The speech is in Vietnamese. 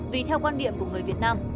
vì theo quan điểm của người việt nam